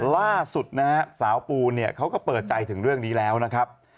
ล่าสุดนะฮะสาวปูเนี่ยเขาก็เปิดใจถึงเรื่องนี้แล้วนะครับ